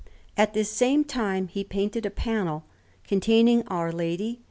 At this same time he painted a panel containing Our Lady, S.